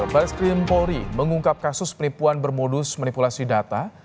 baris krim polri mengungkap kasus penipuan bermodus manipulasi data